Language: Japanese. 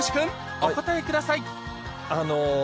お答えください